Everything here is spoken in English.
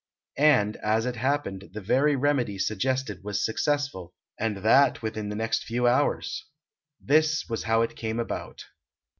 And, as it happened, the very remedy suggested was successful, and that within the next few hours. This was how it came about.